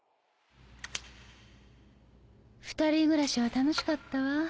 ２人暮らしは楽しかったわ。